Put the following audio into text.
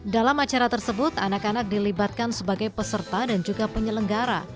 dalam acara tersebut anak anak dilibatkan sebagai peserta dan juga penyelenggara